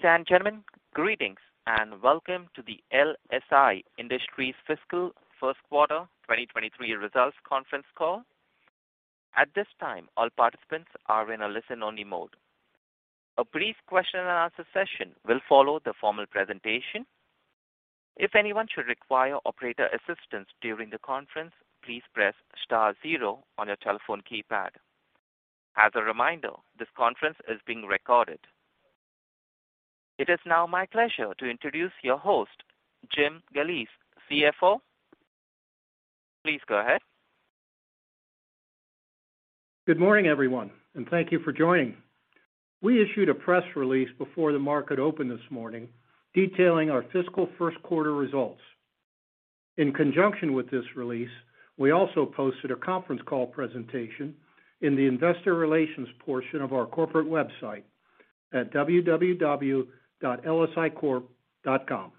Ladies and gentlemen, greetings and welcome to the LSI Industries Fiscal First Quarter 2023 Results Conference Call. At this time, all participants are in a Listen-Only mode. A brief question and answer session will follow the formal presentation. If anyone should require operator assistance during the conference, please press star zero on your telephone keypad. As a reminder, this conference is being recorded. It is now my pleasure to introduce your host, James E Galeese, CFO. Please go ahead. Good morning, everyone, and thank you for joining. We issued a press release before the market opened this morning detailing our fiscal first 1/4 results. In conjunction with this release, we also posted a conference call presentation in the investor relations portion of our corporate website at www.lsi-industries.com.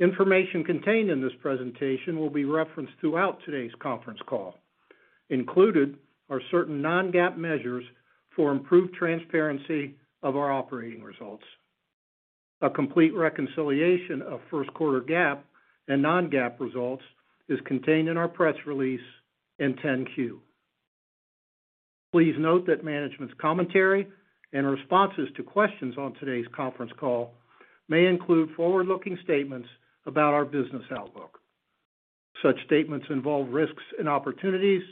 Information contained in this presentation will be referenced throughout today's conference call. Included are certain Non-GAAP measures for improved transparency of our operating results. A complete reconciliation of first 1/4 GAAP and Non-GAAP results is contained in our press release and 10-Q. Please note that management's commentary and responses to questions on today's conference call may include Forward-Looking statements about our business outlook. Such statements involve risks and uncertainties,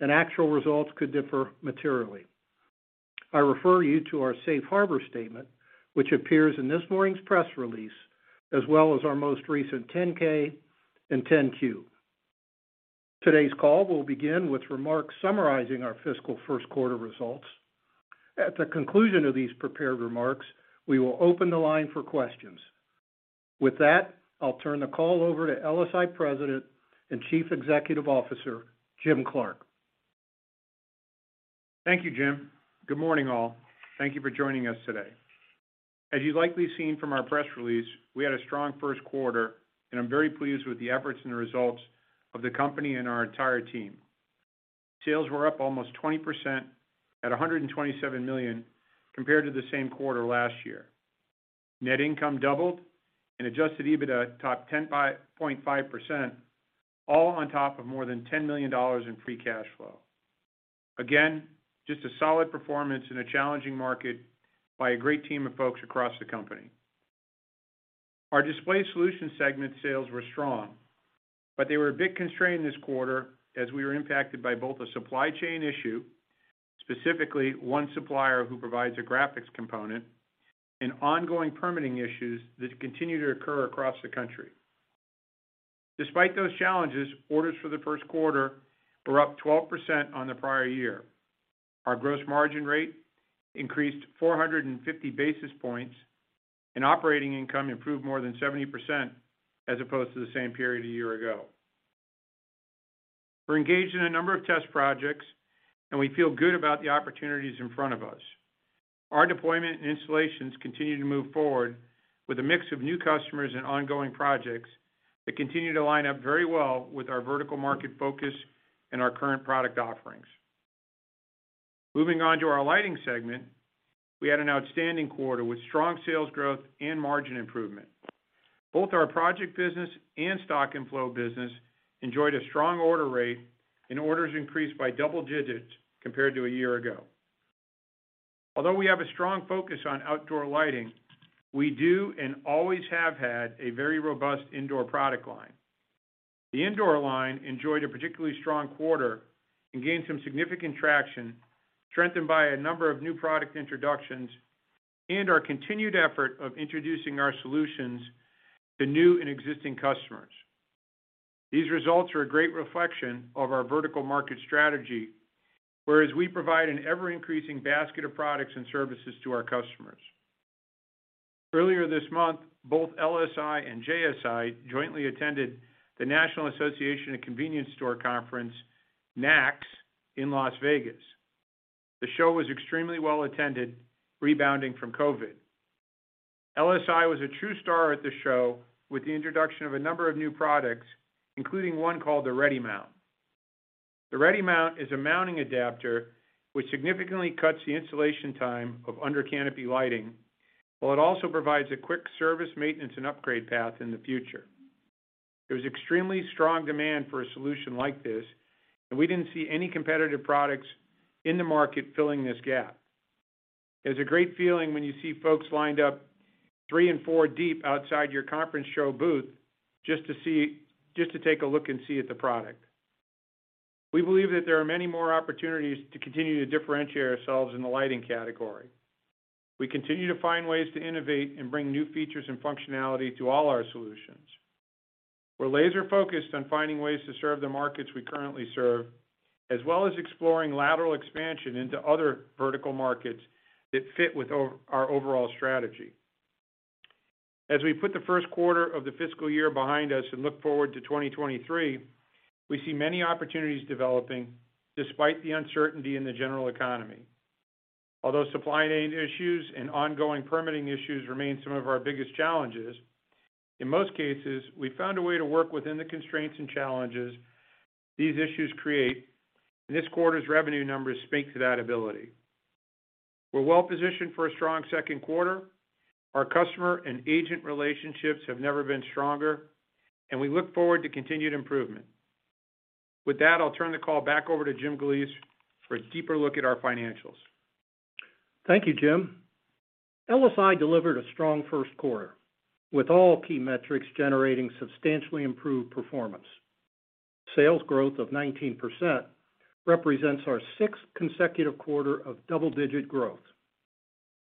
and actual results could differ materially. I refer you to our safe harbor statement, which appears in this morning's press release, as well as our most recent 10-K and 10-Q. Today's call will begin with remarks summarizing our fiscal first 1/4 results. At the conclusion of these prepared remarks, we will open the line for questions. With that, I'll turn the call over to LSI President and Chief Executive Officer, James A. Clark. Thank you, James. Good morning, all. Thank you for joining us today. As you've likely seen from our press release, we had a strong first 1/4, and I'm very pleased with the efforts and the results of the company and our entire team. Sales were up almost 20% at $127 million compared to the same 1/4 last year. Net income doubled and adjusted EBITDA topped 10.5%, all on top of more than $10 million in free cash flow. Again, just a solid performance in a challenging market by a great team of folks across the company. Our Display Solutions segment sales were strong, but they were a bit constrained this 1/4 as we were impacted by both a supply chain issue, specifically one supplier who provides a graphics component, and ongoing permitting issues that continue to occur across the country. Despite those challenges, orders for the first 1/4 were up 12% on the prior year. Our gross margin rate increased 450 basis points, and operating income improved more than 70% as opposed to the same period a year ago. We're engaged in a number of test projects, and we feel good about the opportunities in front of us. Our deployment and installations continue to move forward with a mix of new customers and ongoing projects that continue to line up very well with our vertical market focus and our current product offerings. Moving on to our lighting segment, we had an outstanding 1/4 with strong sales growth and margin improvement. Both our project business and stock and flow business enjoyed a strong order rate, and orders increased by double digits compared to a year ago. Although we have a strong focus on outdoor lighting, we do and always have had a very robust indoor product line. The indoor line enjoyed a particularly strong 1/4 and gained some significant traction, strengthened by a number of new product introductions and our continued effort of introducing our solutions to new and existing customers. These results are a great reflection of our vertical market strategy, whereas we provide an ever-increasing basket of products and services to our customers. Earlier this month, both LSI and JSI jointly attended the National Association of Convenience Stores Conference, NACS, in Las Vegas. The show was extremely well attended, rebounding from COVID. LSI was a true star at the show with the introduction of a number of new products, including one called the ReadyMount. The ReadyMount is a mounting adapter which significantly cuts the installation time of under canopy lighting, while it also provides a quick service, maintenance, and upgrade path in the future. There was extremely strong demand for a solution like this, and we didn't see any competitive products in the market filling this gap. It's a great feeling when you see folks lined up three and four deep outside your conference show booth just to take a look and see at the product. We believe that there are many more opportunities to continue to differentiate ourselves in the lighting category. We continue to find ways to innovate and bring new features and functionality to all our solutions. We're laser focused on finding ways to serve the markets we currently serve, as well as exploring lateral expansion into other vertical markets that fit with our overall strategy. As we put the first 1/4 of the fiscal year behind us and look forward to 2023, we see many opportunities developing despite the uncertainty in the general economy. Although supply chain issues and ongoing permitting issues remain some of our biggest challenges. In most cases, we found a way to work within the constraints and challenges these issues create, and this 1/4's revenue numbers speak to that ability. We're Well-Positioned for a strong second 1/4. Our customer and agent relationships have never been stronger, and we look forward to continued improvement. With that, I'll turn the call back over to James Galeese for a deeper look at our financials. Thank you, James. LSI delivered a strong first 1/4, with all key metrics generating substantially improved performance. Sales growth of 19% represents our sixth consecutive 1/4 of Double-Digit growth.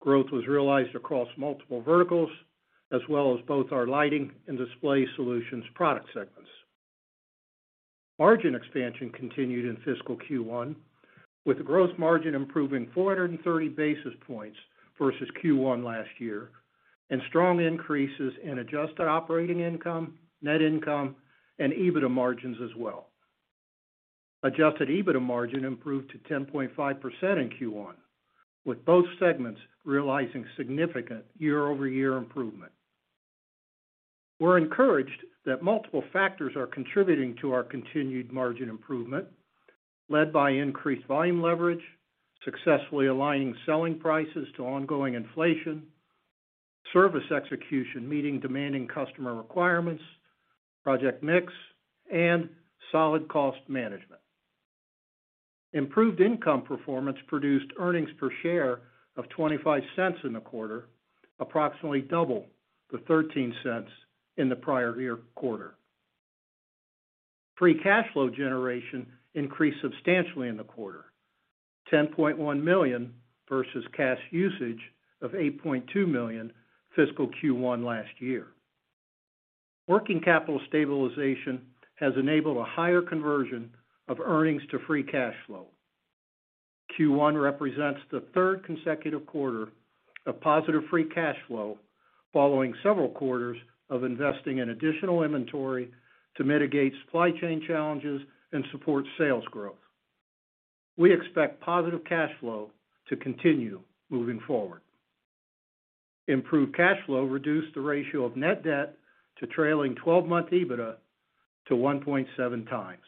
Growth was realized across multiple verticals, as well as both our Lighting and Display Solutions product segments. Margin expansion continued in fiscal Q1, with gross margin improving 430 basis points versus Q1 last year, and strong increases in adjusted operating income, net income, and EBITDA margins as well. Adjusted EBITDA margin improved to 10.5% in Q1, with both segments realizing significant Year-Over-Year improvement. We're encouraged that multiple factors are contributing to our continued margin improvement, led by increased volume leverage, successfully aligning selling prices to ongoing inflation, service execution meeting demanding customer requirements, project mix, and solid cost management. Improved income performance produced earnings per share of $0.25 in the 1/4, approximately double the $0.13 in the prior year 1/4. Free cash flow generation increased substantially in the 1/4, $10.1 million versus cash usage of $8.2 million fiscal Q1 last year. Working capital stabilization has enabled a higher conversion of earnings to free cash flow. Q1 represents the third consecutive 1/4 of positive free cash flow, following several quarters of investing in additional inventory to mitigate supply chain challenges and support sales growth. We expect positive cash flow to continue moving forward. Improved cash flow reduced the ratio of net debt to trailing 12-month EBITDA to 1.7 times.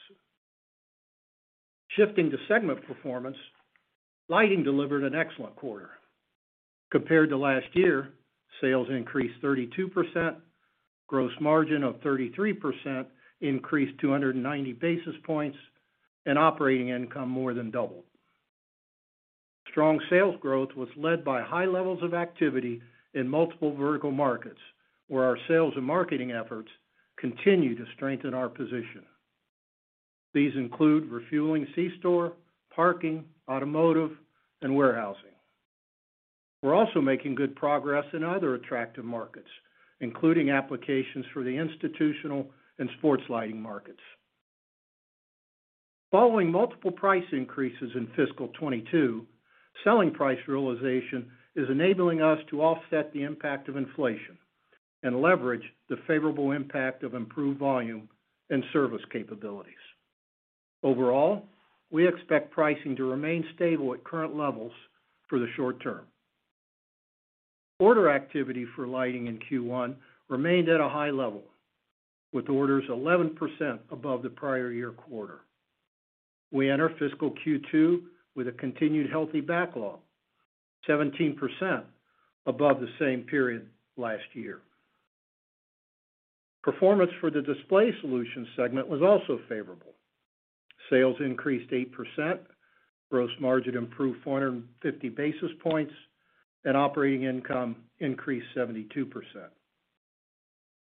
Shifting to segment performance, lighting delivered an excellent 1/4. Compared to last year, sales increased 32%, gross margin of 33% increased 290 basis points, and operating income more than doubled. Strong sales growth was led by high levels of activity in multiple vertical markets, where our sales and marketing efforts continue to strengthen our position. These include refueling C-Store, parking, automotive, and warehousing. We're also making good progress in other attractive markets, including applications for the institutional and sports lighting markets. Following multiple price increases in fiscal 2022, selling price realization is enabling us to offset the impact of inflation and leverage the favorable impact of improved volume and service capabilities. Overall, we expect pricing to remain stable at current levels for the short term. Order activity for lighting in Q1 remained at a high level, with orders 11% above the prior year 1/4. We enter fiscal Q2 with a continued healthy backlog, 17% above the same period last year. Performance for the Display Solutions segment was also favorable. Sales increased 8%, gross margin improved 450 basis points, and operating income increased 72%.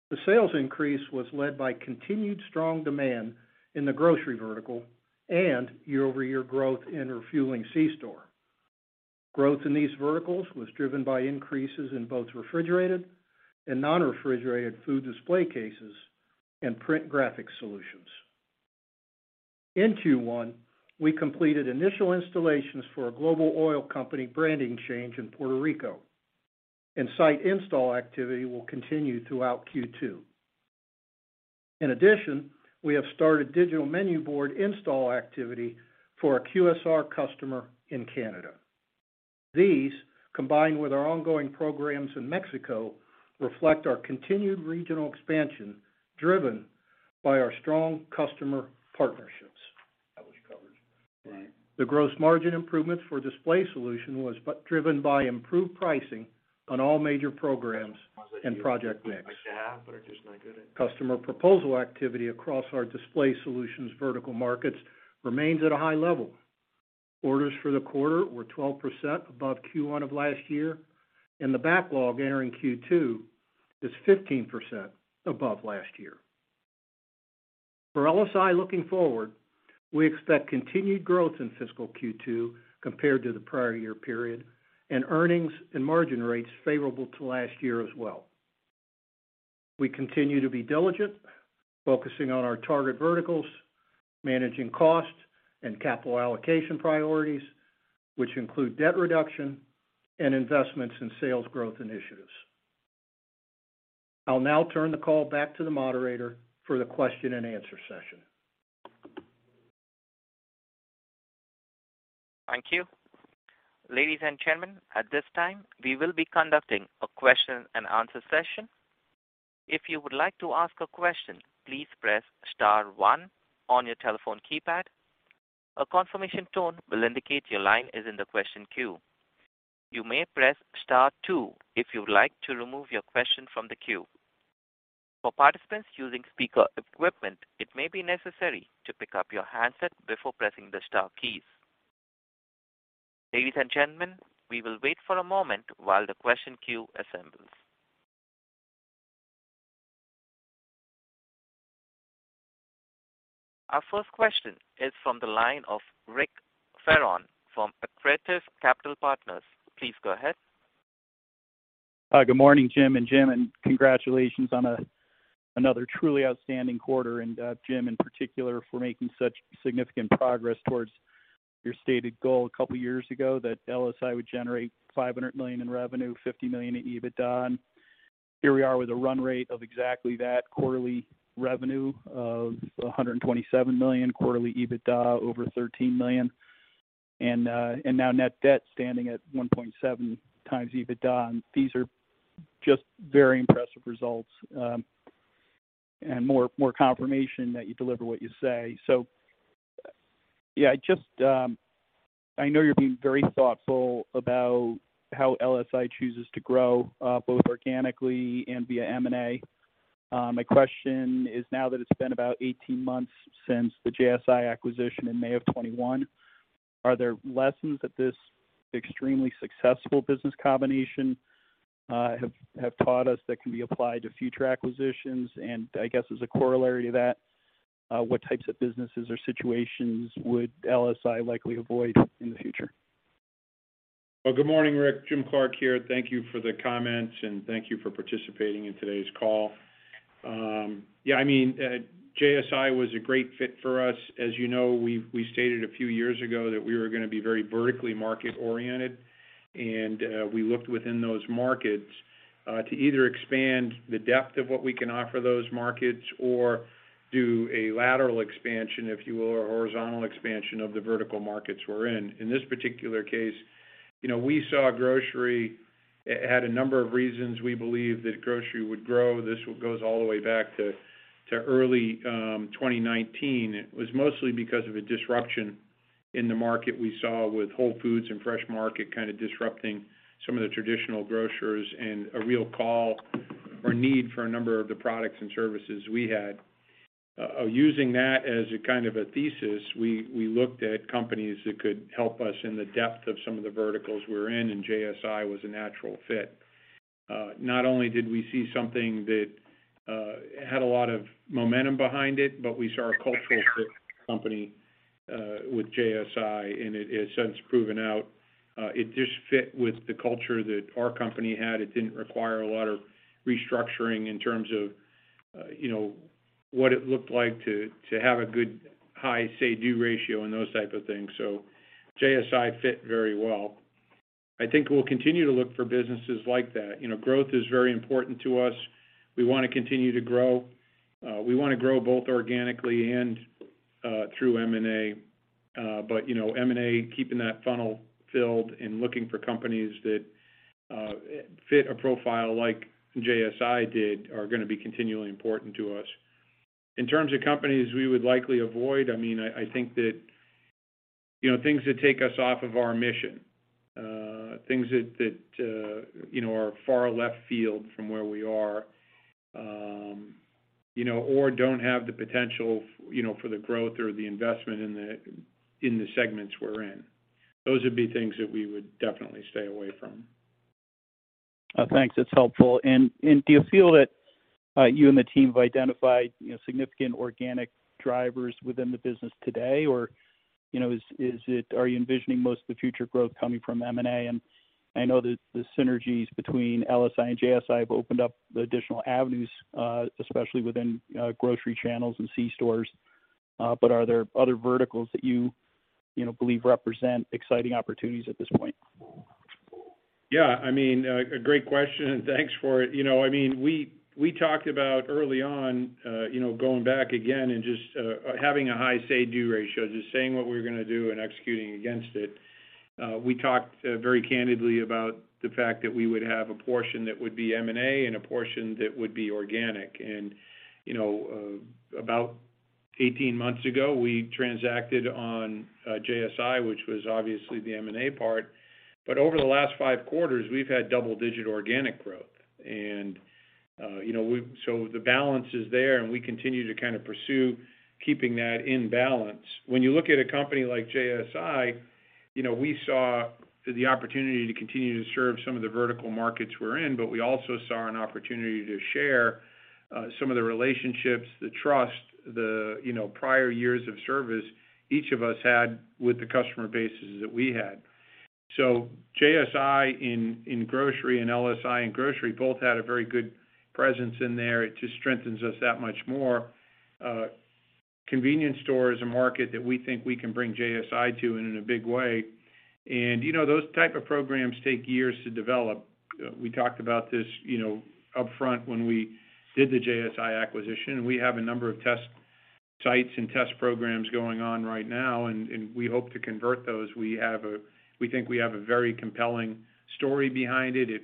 The sales increase was led by continued strong demand in the grocery vertical and Year-Over-Year growth in refueling c-store. Growth in these verticals was driven by increases in both refrigerated and Non-refrigerated food display cases and print graphic solutions. In Q1, we completed initial installations for a global oil company branding change in Puerto Rico, and site install activity will continue throughout Q2. In addition, we have started digital menu board install activity for a QSR customer in Canada. These, combined with our ongoing programs in Mexico, reflect our continued regional expansion driven by our strong customer partnerships. That was covered. Right. The gross margin improvements for Display Solutions was driven by improved pricing on all major programs and project mix. Customer proposal activity across our Display Solutions vertical markets remains at a high level. Orders for the 1/4 were 12% above Q1 of last year, and the backlog entering Q2 is 15% above last year. For LSI looking forward, we expect continued growth in fiscal Q2 compared to the prior year period, and earnings and margin rates favorable to last year as well. We continue to be diligent, focusing on our target verticals, managing costs and capital allocation priorities, which include debt reduction and investments in sales growth initiatives. I'll now turn the call back to the operator for the question and answer session. Thank you. Ladies and gentlemen, at this time, we will be conducting a question-and-answer session. If you would like to ask a question, please press star one on your telephone keypad. A confirmation tone will indicate your line is in the question queue. You may press star two if you'd like to remove your question from the queue. For participants using speaker equipment, it may be necessary to pick up your handset before pressing the star keys. Ladies and gentlemen, we will wait for a moment while the question queue assembles. Our first question is from the line of Richard Fearon from Accretive Capital Partners. Please go ahead. Good morning, James and James, and congratulations on another truly outstanding 1/4. Jim, in particular, for making such significant progress towards your stated goal a couple years ago that LSI would generate $500 million in revenue, $50 million in EBITDA. Here we are with a run rate of exactly that quarterly revenue of $127 million, 1/4ly EBITDA over $13 million. Now net debt standing at 1.7 times EBITDA. These are just very impressive results, and more confirmation that you deliver what you say. Yeah, just, I know you're being very thoughtful about how LSI chooses to grow, both organically and via M&A. My question is, now that it's been about 18 months since the JSI acquisition in May of 2021, are there lessons that this extremely successful business combination have taught us that can be applied to future acquisitions? I guess as a corollary to that, what types of businesses or situations would LSI likely avoid in the future? Well, good morning, Richard. James Clark here. Thank you for the comments, and thank you for participating in today's call. Yeah, I mean, JSI was a great fit for us. As you know, we stated a few years ago that we were gonna be very vertically Market-Oriented. We looked within those markets to either expand the depth of what we can offer those markets or do a lateral expansion, if you will, or horizontal expansion of the vertical markets we're in. In this particular case, you know, we saw grocery. It had a number of reasons we believe that grocery would grow. This goes all the way back to early 2019. It was mostly because of a disruption in the market we saw with Whole Foods and Fresh Market kind of disrupting some of the traditional grocers and a real call or need for a number of the products and services we had. Using that as a kind of a thesis, we looked at companies that could help us in the depth of some of the verticals we're in, and JSI was a natural fit. Not only did we see something that had a lot of momentum behind it, but we saw a cultural fit company with JSI, and it has since proven out. It just fit with the culture that our company had. It didn't require a lot of restructuring in terms of, you know, what it looked like to have a good high say-do ratio and those type of things. JSI fit very well. I think we'll continue to look for businesses like that. You know, growth is very important to us. We wanna continue to grow. We wanna grow both organically and through M&A. You know, M&A, keeping that funnel filled and looking for companies that fit a profile like JSI did are gonna be continually important to us. In terms of companies we would likely avoid, I mean, I think that, you know, things that take us off of our mission. Things that you know, are far left field from where we are, you know, or don't have the potential for the growth or the investment in the segments we're in. Those would be things that we would definitely stay away from. Thanks. That's helpful. Do you feel that you and the team have identified, you know, significant organic drivers within the business today? Or, you know, are you envisioning most of the future growth coming from M&A? I know that the synergies between LSI and JSI have opened up additional avenues, especially within grocery channels and c-stores. Are there other verticals that you know believe represent exciting opportunities at this point? Yeah, I mean, great question, and thanks for it. You know, I mean, we talked about early on, you know, going back again and just having a high Say-Do ratio, just saying what we're gonna do and executing against it. We talked very candidly about the fact that we would have a portion that would be M&A and a portion that would be organic. You know, about 18 months ago, we transacted on JSI, which was obviously the M&A part. Over the last five quarterly we've had Double-Digit organic growth. You know, the balance is there, and we continue to kind of pursue keeping that in balance. When you look at a company like JSI, you know, we saw the opportunity to continue to serve some of the vertical markets we're in, but we also saw an opportunity to share some of the relationships, the trust, the you know prior years of service each of us had with the customer bases that we had. JSI in grocery and LSI in grocery both had a very good presence in there. It just strengthens us that much more. Convenience store is a market that we think we can bring JSI to and in a big way. You know, those type of programs take years to develop. We talked about this, you know, upfront when we did the JSI acquisition. We have a number of test sites and test programs going on right now, and we hope to convert those. We think we have a very compelling story behind it. It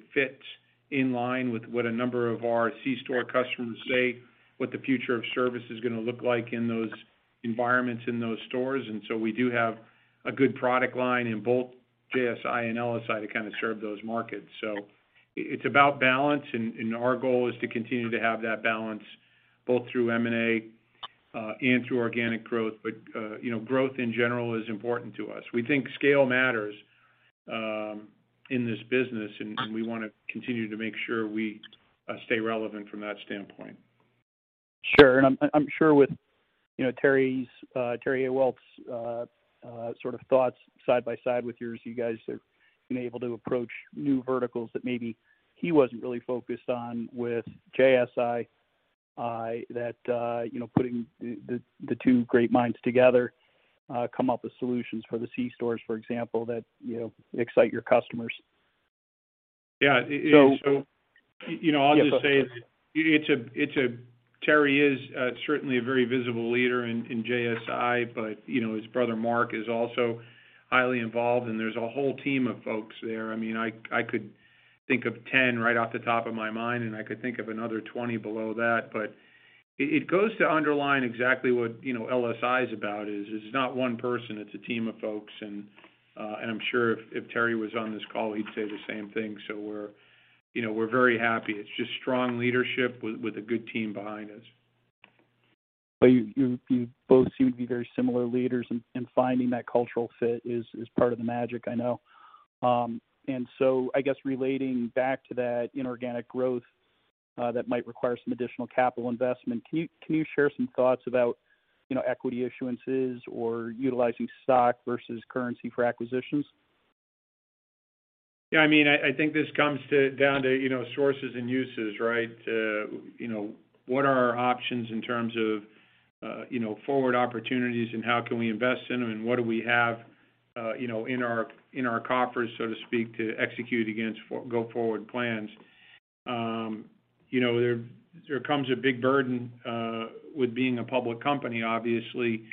fits in line with what a number of our C-store customers say, what the future of service is gonna look like in those environments in those stores. We do have a good product line in both JSI and LSI to kind of serve those markets. It's about balance, and our goal is to continue to have that balance both through M&A and through organic growth. You know, growth in general is important to us. We think scale matters in this business, and we wanna continue to make sure we stay relevant from that standpoint. Sure. I'm sure with, you know, Terry Awalt's sort of thoughts side by side with yours, you guys have been able to approach new verticals that maybe he wasn't really focused on with JSI that, you know, putting the two great minds together, come up with solutions for the c-stores, for example, that, you know, excite your customers. Yeah. So- You know, I'll just say Terry is certainly a very visible leader in JSI, but you know, his brother Mark is also highly involved, and there's a whole team of folks there. I mean, I could think of 10 right off the top of my mind, and I could think of another 20 below that. But it goes to underline exactly what you know, LSI is about, is it's not one person, it's a team of folks. I'm sure if Terry was on this call, he'd say the same thing. We're you know, we're very happy. It's just strong leadership with a good team behind us. Well, you both seem to be very similar leaders, and finding that cultural fit is part of the magic, I know. I guess relating back to that inorganic growth, that might require some additional capital investment, can you share some thoughts about, you know, equity issuances or utilizing stock versus currency for acquisitions? Yeah, I mean, I think this comes down to, you know, sources and uses, right? You know, what are our options in terms of, you know, forward opportunities and how can we invest in them, and what do we have, you know, in our coffers, so to speak, to execute against Go-Forward plans? You know, there comes a big burden with being a public company, obviously.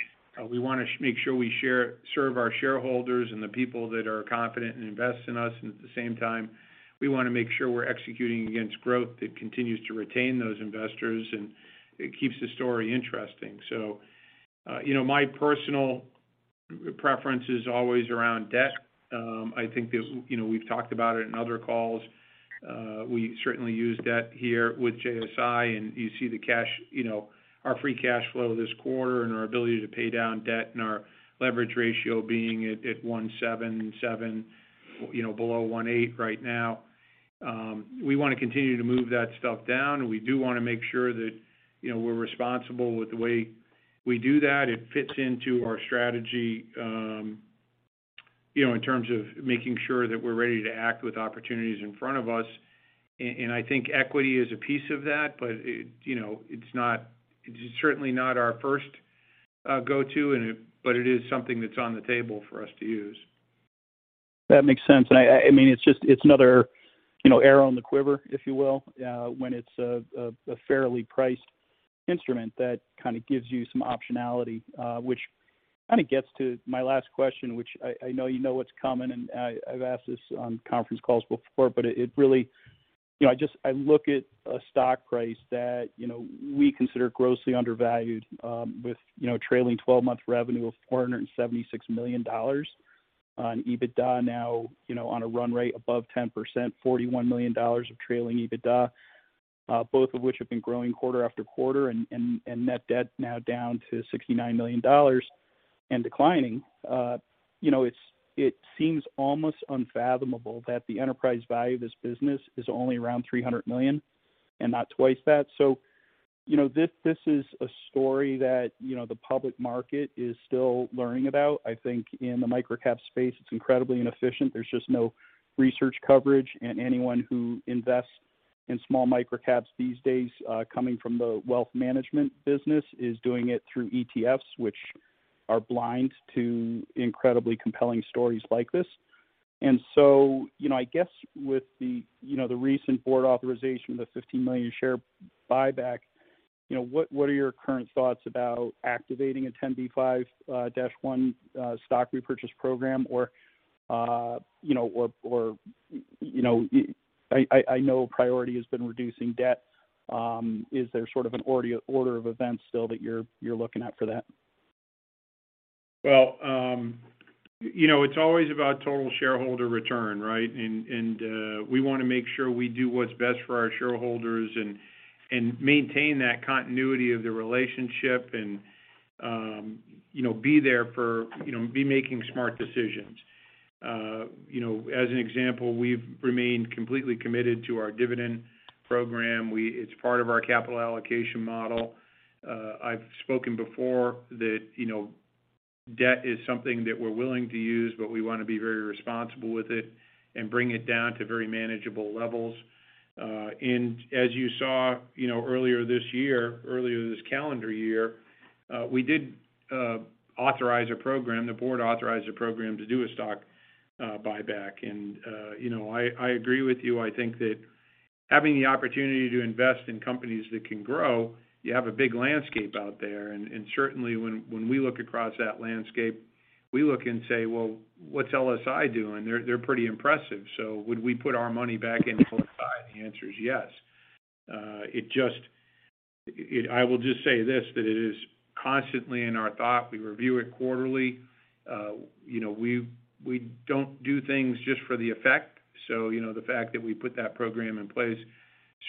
We wanna make sure we serve our shareholders and the people that are confident and invest in us. At the same time, we wanna make sure we're executing against growth that continues to retain those investors, and it keeps the story interesting. You know, my personal preference is always around debt. I think there's, you know, we've talked about it in other calls. We certainly use debt here with JSI, and you see the cash, you know, our free cash flow this 1/4 and our ability to pay down debt and our leverage ratio being at 1.77, you know, below 1.8 right now. We wanna continue to move that stuff down, and we do wanna make sure that, you know, we're responsible with the way we do that. It fits into our strategy, you know, in terms of making sure that we're ready to act with opportunities in front of us. And I think equity is a piece of that, but it, you know, it's not, it's certainly not our First Go-To and it, but it is something that's on the table for us to use. That makes sense. I mean, it's just another, you know, arrow on the quiver, if you will, when it's a fairly priced instrument that kind of gives you some optionality, which kind of gets to my last question, which I know you know what's coming, and I've asked this on conference calls before, but it really. You know, I just look at a stock price that, you know, we consider grossly undervalued, with, you know, trailing twelve-month revenue of $476 million on EBITDA now, you know, on a run rate above 10%, $41 million of trailing EBITDA, both of which have been growing 1/4 after 1/4 and net debt now down to $69 million and declining. You know, it seems almost unfathomable that the enterprise value of this business is only around $300 million and not twice that. This is a story that the public market is still learning about. I think in the microcap space, it's incredibly inefficient. There's just no research coverage. Anyone who invests in small microcaps these days, coming from the wealth management business is doing it through ETFs, which are blind to incredibly compelling stories like this. You know, I guess with the recent board authorization of the 15 million share buyback, what are your current thoughts about activating a 10b5-1 stock repurchase program or I know priority has been reducing debt. Is there sort of an order of events still that you're looking at for that? Well, you know, it's always about total shareholder return, right? We wanna make sure we do what's best for our shareholders and maintain that continuity of the relationship and, you know, be there for, you know, be making smart decisions. You know, as an example, we've remained completely committed to our dividend program. It 's part of our capital allocation model. I've spoken before that, you know, debt is something that we're willing to use, but we wanna be very responsible with it and bring it down to very manageable levels. As you saw, you know, earlier this year, earlier this calendar year, we did authorize a program. The board authorized a program to do a stock buyback. You know, I agree with you. I think that having the opportunity to invest in companies that can grow, you have a big landscape out there. Certainly when we look across that landscape, we look and say, "Well, what's LSI doing? They're pretty impressive." Would we put our money back into LSI? The answer is yes. I will just say this, that it is constantly in our thought. We review it quarterly. You know, we don't do things just for the effect. You know, the fact that we put that program in place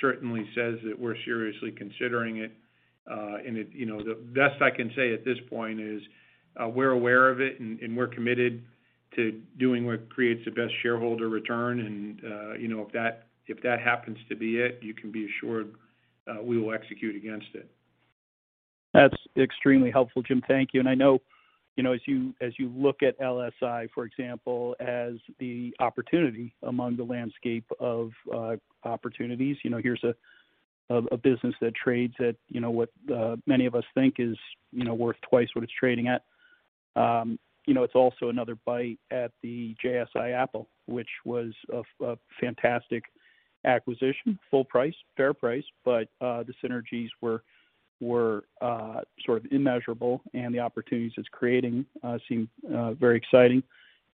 certainly says that we're seriously considering it. You know, the best I can say at this point is we're aware of it and we're committed to doing what creates the best shareholder return. You know, if that happens to be it, you can be assured we will execute against it. That's extremely helpful, James. Thank you. I know, you know, as you look at LSI, for example, as the opportunity among the landscape of opportunities, you know, here's a business that trades at, you know, what many of us think is, you know, worth twice what it's trading at. You know, it's also another bite at the JSI apple, which was a fantastic acquisition, full price, fair price, but the synergies were sort of immeasurable and the opportunities it's creating seem very exciting.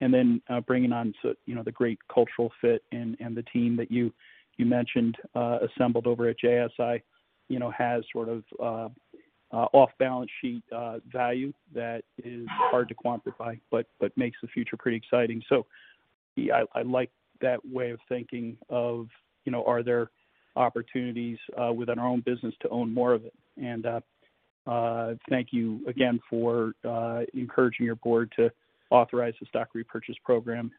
Then, bringing on the great cultural fit and the team that you mentioned assembled over at JSI, you know, has sort of Off-Balance sheet value that is hard to quantify, but makes the future pretty exciting. I like that way of thinking of, you know, are there opportunities within our own business to own more of it? Thank you again for encouraging your board to authorize the stock repurchase program.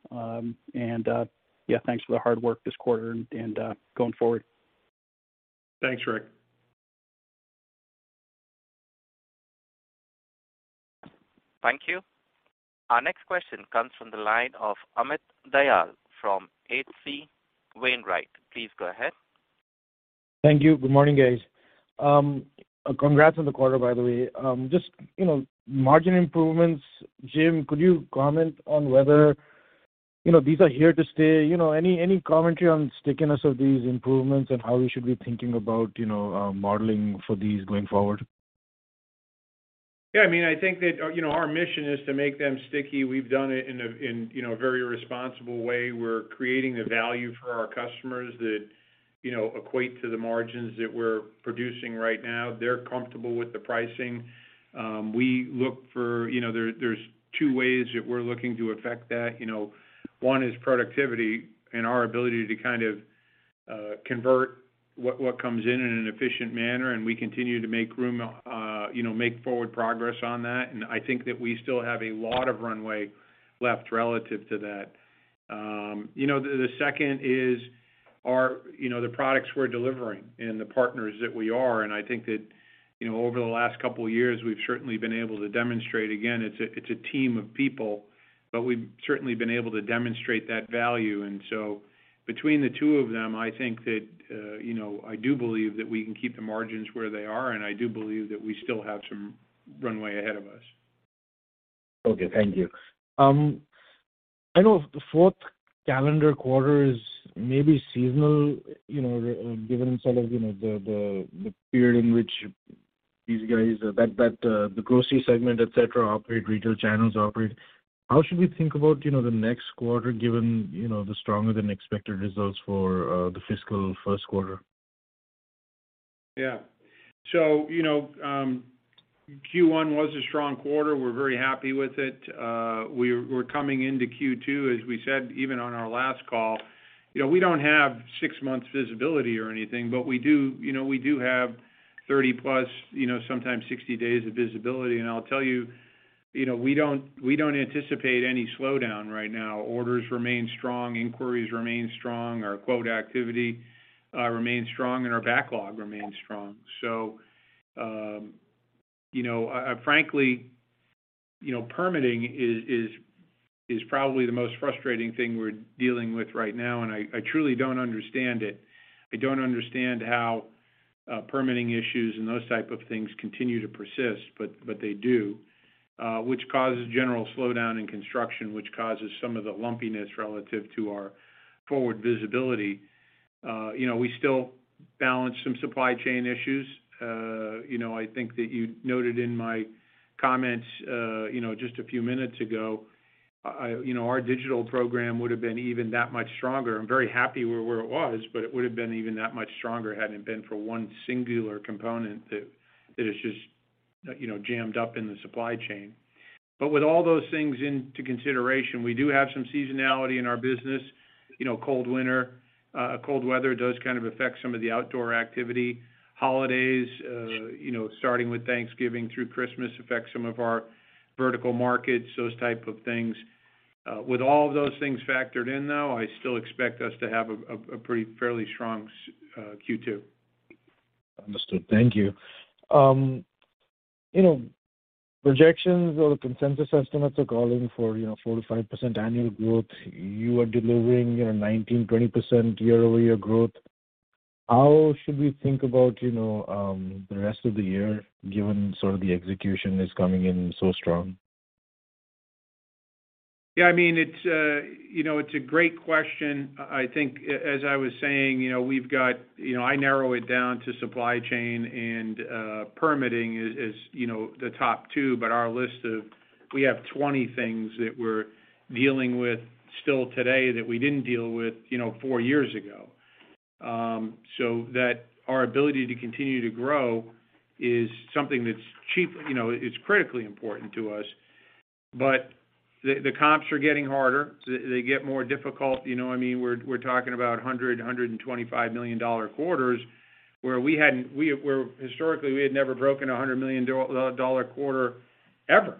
Yeah, thanks for the hard work this 1/4 and going forward. Thanks, Richard. Thank you. Our next question comes from the line of Amit Dayal from H.C. Wainwright. Please go ahead. Thank you. Good morning, guys. Congrats on the 1/4, by the way. Just, you know, margin improvements, Jim, could you comment on whether, you know, these are here to stay? You know, any commentary on the stickiness of these improvements and how we should be thinking about, you know, modeling for these going forward? Yeah. I mean, I think that, you know, our mission is to make them sticky. We've done it in a you know, a very responsible way. We're creating the value for our customers that, you know, equate to the margins that we're producing right now. They're comfortable with the pricing. We look for. You know, there's two ways that we're looking to affect that. You know, one is productivity and our ability to kind of convert what comes in in an efficient manner, and we continue to make forward progress on that. I think that we still have a lot of runway left relative to that. You know, the second is our, you know, the products we're delivering and the partners that we are. I think that, you know, over the last couple years, we've certainly been able to demonstrate, again, it's a team of people, but we've certainly been able to demonstrate that value. Between the two of them, I think that, you know, I do believe that we can keep the margins where they are, and I do believe that we still have some runway ahead of us. Okay, thank you. I know the fourth calendar 1/4 is maybe seasonal, you know, given some of, you know, the period in which the grocery segment, et cetera, operate, retail channels operate. How should we think about, you know, the next 1/4 given, you know, the stronger than expected results for the fiscal first 1/4? Yeah, you know, Q1 was a strong 1/4. We're very happy with it. We're coming into Q2, as we said even on our last call. You know, we don't have six months visibility or anything, but we do, you know, we do have 30+, you know, sometimes 60 days of visibility. I'll tell you know, we don't anticipate any slowdown right now. Orders remain strong, inquiries remain strong, our quote activity remains strong, and our backlog remains strong. Frankly, you know, permitting is probably the most frustrating thing we're dealing with right now, and I truly don't understand it. I don't understand how permitting issues and those type of things continue to persist, but they do, which causes general slowdown in construction, which causes some of the lumpiness relative to our forward visibility. You know, we still balance some supply chain issues. You know, I think that you noted in my comments just a few minutes ago, you know, our digital program would have been even that much stronger. I'm very happy where it was, but it would have been even that much stronger hadn't it been for one singular component that is just, you know, jammed up in the supply chain. But with all those things into consideration, we do have some seasonality in our business. You know, cold winter, cold weather does kind of affect some of the outdoor activity. Holidays, you know, starting with Thanksgiving through Christmas affects some of our vertical markets, those type of things. With all of those things factored in though, I still expect us to have a pretty fairly strong Q2. Understood. Thank you. You know, projections or the consensus estimates are calling for, you know, 4%-5% annual growth. You are delivering, you know, 19%-20% Year-Over-Year growth. How should we think about, you know, the rest of the year given sort of the execution is coming in so strong? Yeah, I mean, it's, you know, it's a great question. I think as I was saying, you know, I narrow it down to supply chain and permitting is, you know, the top two. We have 20 things that we're dealing with still today that we didn't deal with, you know, four years ago. Our ability to continue to grow is something that's critically, you know, it's critically important to us. The comps are getting harder. They get more difficult. You know, I mean, we're talking about $125 million 1/4s, where historically we had never broken a $100 million 1/4 ever.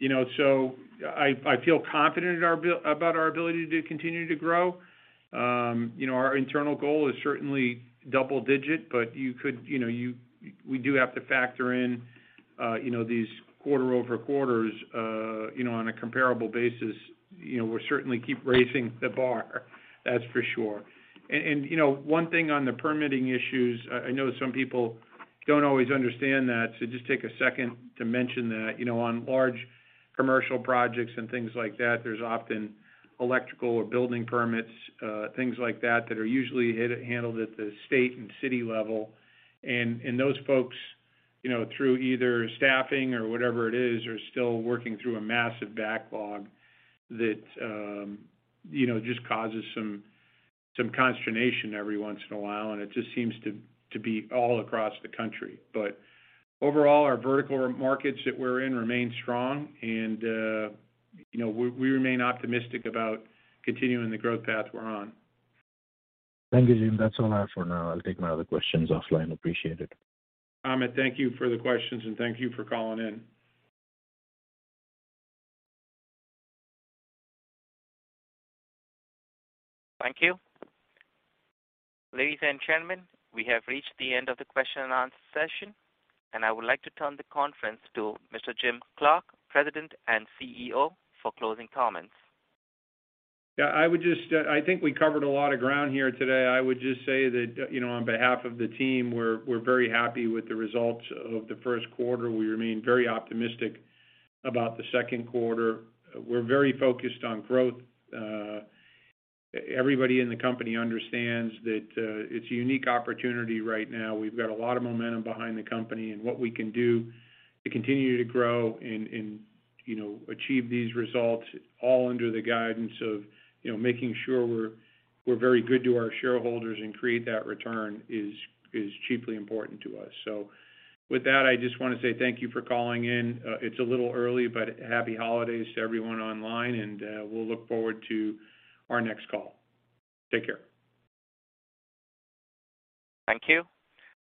You know, I feel confident about our ability to continue to grow. You know, our internal goal is certainly Double-Digit, but you could, you know, we do have to factor in, you know, these quarter-over-quarter, you know, on a comparable basis. You know, we certainly keep raising the bar, that's for sure. You know, one thing on the permitting issues, I know some people don't always understand that, so just take a second to mention that. You know, on large commercial projects and things like that, there's often electrical or building permits, things like that that are usually handled at the state and city level. Those folks, you know, through either staffing or whatever it is, are still working through a massive backlog that, you know, just causes some consternation every once in a while. It just seems to be all across the country. Overall, our vertical markets that we're in remain strong and, you know, we remain optimistic about continuing the growth path we're on. Thank you, James. That's all I have for now. I'll take my other questions offline. Appreciate it. Amit, thank you for the questions, and thank you for calling in. Thank you. Ladies and gentlemen, we have reached the end of the question and answer session, and I would like to turn the conference to Mr. James A. Clark, President and CEO, for closing comments. Yeah, I would just. I think we covered a lot of ground here today. I would just say that, you know, on behalf of the team, we're very happy with the results of the first 1/4. We remain very optimistic about the second 1/4. We're very focused on growth. Everybody in the company understands that it's a unique opportunity right now. We've got a lot of momentum behind the company and what we can do to continue to grow and, you know, achieve these results all under the guidance of, you know, making sure we're very good to our shareholders and create that return is critically important to us. With that, I just wanna say thank you for calling in. It's a little early, but Happy Holidays to everyone online, and we'll look forward to our next call. Take care. Thank you.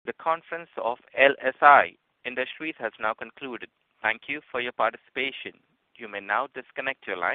The conference of LSI Industries has now concluded. Thank you for your participation. You may now disconnect your line.